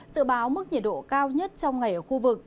dự báo mức nhiệt độ cao nhất trong ngày ở khu vực